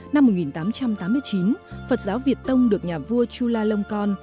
năm một nghìn tám trăm tám mươi chín phật giáo việt tông được nhà vua chula long con